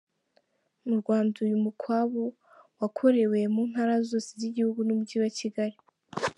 Mu Rwanda, uyu mukwabu wakorewe mu ntara zose z’igihugu n’Umujyi wa Kigali.